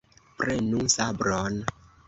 Prenu sabron!